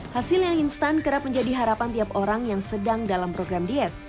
hasil yang instan kerap menjadi harapan tiap orang yang sedang dalam program diet